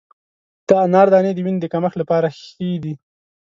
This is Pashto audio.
د انار دانې د وینې د کمښت لپاره ښه دي.